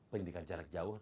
pendidikan jarak jauh